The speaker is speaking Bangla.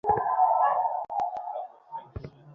বাদ দাও, পরে সামলে নেবো।